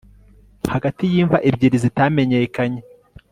hagati y'imva ebyiri zitamenyekanye